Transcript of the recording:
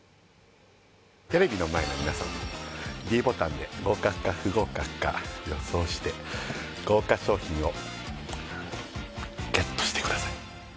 テレビの前の皆さんもｄボタンで合格か不合格か予想して豪華賞品をＧＥＴしてください